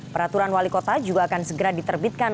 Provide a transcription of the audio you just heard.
peraturan wali kota juga akan segera diterbitkan